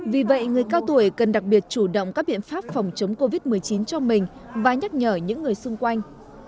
vì vậy người cao tuổi cần đặc biệt chủ động các biện pháp phòng chống covid một mươi chín cho mình và nhắc nhở những người xung quanh